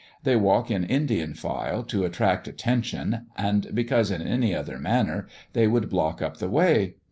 They walk in Indian file to attract attention, and because in any other manner they would block up the way.